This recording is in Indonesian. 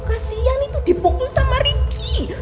kasian itu dipukul sama ricky